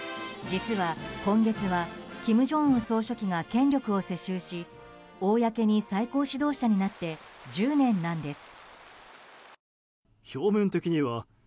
実は今月は金正恩総書記が権力を世襲し公に最高指導者になって１０年なんです。